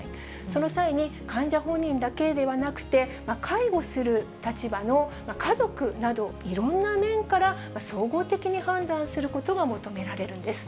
その際に、患者本人だけではなくて、介護する立場の家族など、いろんな面から総合的に判断することが求められるんです。